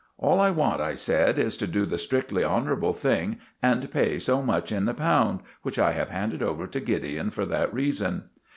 "All I want," I said, "is to do the strictly honourable thing and pay so much in the pound, which I have handed over to Gideon for that reason."